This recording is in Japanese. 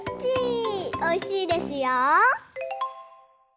おいしいですよ。